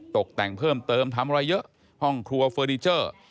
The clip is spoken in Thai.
ตกแต่งเพิ่มเติมทำอะไรเยอะห้องครัวเฟอร์นิเจอร์